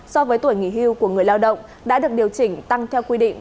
so với tuổi nghỉ hưu của người lao động đã được điều chỉnh tăng theo quy định